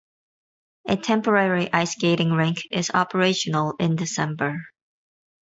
A temporary ice-skating rink is operational in December.